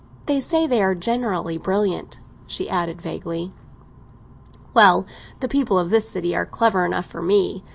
"They say they are generally brilliant," she added vaguely. "Well, the people of this city are clever enough for me.